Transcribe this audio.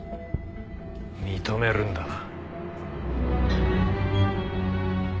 認めるんだな？